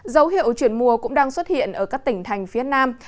dấu hiệu chuyển mùa cũng đang xuất hiện ở các tỉnh thành phía nam